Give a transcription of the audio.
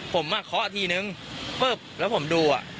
ผมเคาะทีนึงปุ๊บอน่ะแล้วผมดูอ่ะ